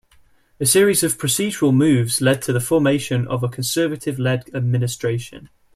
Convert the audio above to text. A series of procedural moves led to the formation of a Conservative-led administration.